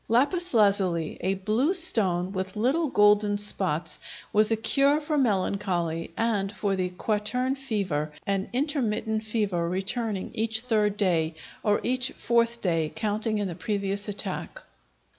Lapis lazuli, "a blue stone with little golden spots," was a cure for melancholy and for the "quartern fever," an intermittent fever returning each third day, or each fourth day counting in the previous attack.